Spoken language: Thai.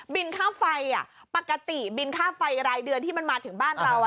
ค่าไฟปกติบินค่าไฟรายเดือนที่มันมาถึงบ้านเรา